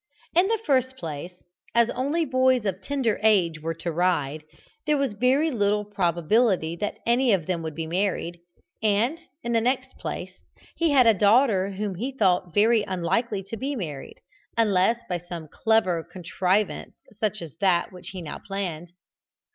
In the first place, as only boys of tender age were to ride, there was very little probability that any of them would be married, and, in the next place, he had a daughter whom he thought very unlikely to be married, unless by some clever contrivance such as that which he had now planned.